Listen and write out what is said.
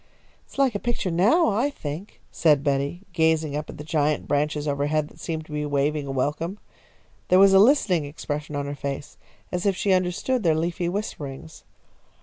"It is like a picture now, I think," said Betty, gazing up at the giant branches overheard that seemed to be waving a welcome. There was a listening expression on her face, as if she understood their leafy whisperings.